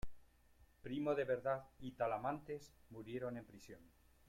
Primo de Verdad y Talamantes murieron en prisión.